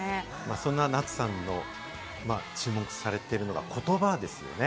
そんな夏さんの注目されているのが言葉なんですよね。